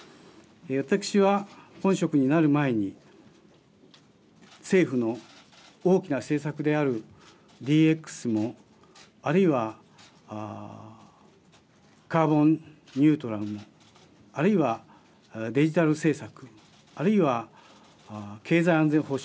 私は本職になる前に政府の大きな政策であるＤＸもあるいはカーボンニュートラルもあるいはデジタル政策あるいは経済安全保障